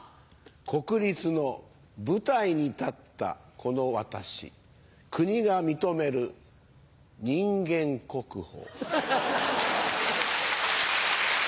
国立の舞台に立ったこの私国が認める人間国宝。